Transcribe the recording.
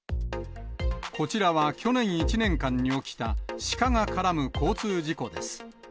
こちらは去年１年間に起きた、シカが絡む交通事故です。